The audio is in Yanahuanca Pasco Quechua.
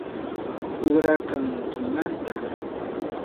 uqrakankimantaq.